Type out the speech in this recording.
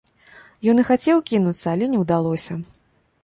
Ён і хацеў кінуцца, але не ўдалося.